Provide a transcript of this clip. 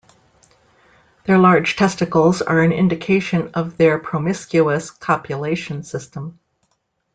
Their large testicles are an indication of their promiscuous copulation system.